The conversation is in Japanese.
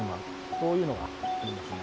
そういうのがありますね。